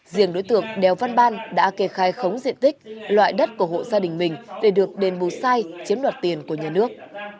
riêng đối tượng đèo văn ban đã kê khai khống diện tích loại đất của hộ gia đình mình để được đền bù sai chiếm đoạt tiền của nhà nước